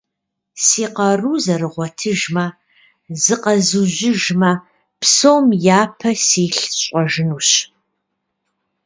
Си къару зэрыгъуэтыжмэ, зыкъэзужьыжмэ, псом япэ силъ сщӀэжынущ.